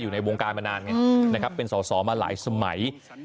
อยู่ในวงการมานานเป็นส่อมาหลายสมัย